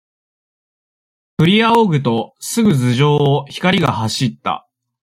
ふりあおぐと、すぐ頭上を、光が走った。